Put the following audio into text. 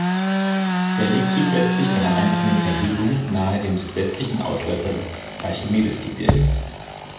Er liegt südwestlich einer einzelnen Erhebung nahe den südwestlichen Ausläufern des Archimedes-Gebirges.